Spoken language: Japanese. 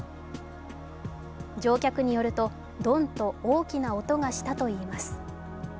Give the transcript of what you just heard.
乗客によると、ドンッと大きな音がしたといいます。